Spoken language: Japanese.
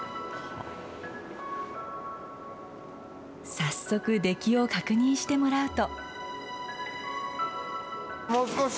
早速、出来を確認してもらうと。